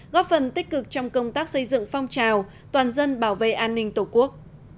góp phần tích cực trong công tác xây dựng phong trào toàn dân bảo vệ an ninh tổ quốc